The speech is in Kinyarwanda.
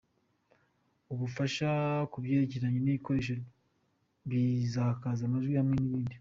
ubufasha ku byerekeye nibikoresho bisakaza amajwi hamwe nibindi.